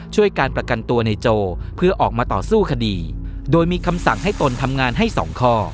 การประกันตัวในโจเพื่อออกมาต่อสู้คดีโดยมีคำสั่งให้ตนทำงานให้สองข้อ